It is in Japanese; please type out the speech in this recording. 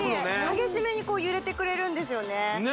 激しめに揺れてくれるんですよね